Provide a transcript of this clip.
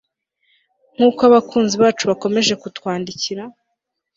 nkuko abakunzi bacu bakomeje kutwandikira